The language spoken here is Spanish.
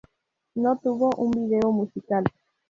No tuvo un video musical.